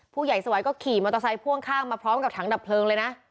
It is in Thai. ผู้ใหญ่สวัยก็ขี่มอเตอร์ไซค์พ่วงข้างมาพร้อมกับถังดับเพลิงเลยนะ